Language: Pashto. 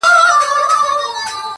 تر ننګرهار، تر کندهار ښکلی دی٫